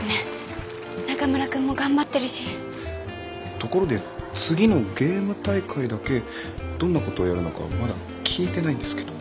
ところで次のゲーム大会だけどんなことをやるのかまだ聞いてないんですけど。